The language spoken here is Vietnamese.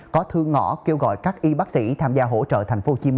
có thư ngõ kêu gọi các y bác sĩ tham gia hỗ trợ tp hcm